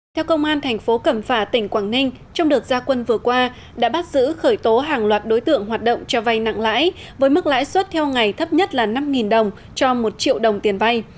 theo công an thành phố cẩm phả tỉnh quảng ninh trong đợt gia quân vừa qua đã bắt giữ khởi tố hàng loạt đối tượng hoạt động cho vay nặng lãi với mức lãi suất theo ngày thấp nhất là năm đồng cho một triệu đồng tiền vay